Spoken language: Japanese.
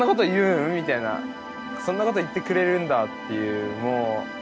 みたいな「そんなこと言ってくれるんだ」っていうもう。